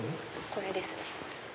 これですね。